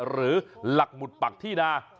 หรือหลักหมุดปักที่นา